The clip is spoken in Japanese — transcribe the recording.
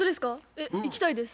えっ行きたいです。